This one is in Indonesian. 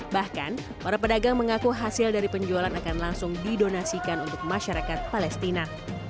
bahkan para pedagang mengaku hasil dari penjualan akan langsung didonasikan untuk masyarakat palestina